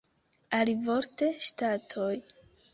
Alivorte ŝtatoj.